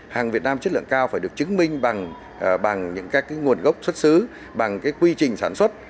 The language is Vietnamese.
hàng việt nam chất lượng cao phải được chứng minh bằng những các nguồn gốc xuất xứ bằng quy trình sản xuất